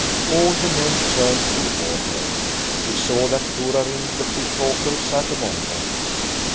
All the men turned toward her. She saw that Torarin the fish hawker sat among them.